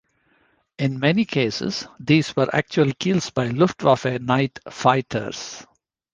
In many cases these were actual 'kills' by Luftwaffe night fighters...